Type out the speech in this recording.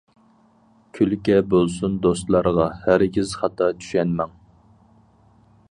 كۈلكە بولسۇن دوستلارغا، ھەرگىز خاتا چۈشەنمەڭ.